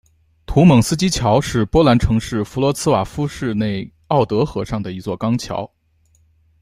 图蒙斯基桥是波兰城市弗罗茨瓦夫市内奥德河上的一座钢桥。